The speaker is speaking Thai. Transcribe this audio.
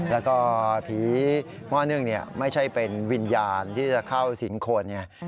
แล้วก็ผีอ้อเน่งนี้ไม่ใช่เป็นวิญญาณที่จะเข้าสินคน